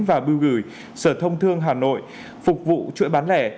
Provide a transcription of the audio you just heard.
và bưu gửi sở thông thương hà nội phục vụ chuỗi bán lẻ